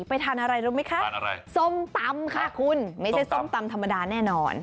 ไปทานอะไรรู้ไหมคะส้มตำค่ะคุณไม่ใช่ส้มตำธรรมดาแน่นอน